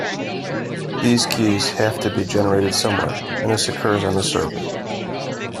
These keys have to be generated somewhere, and this occurs on the server.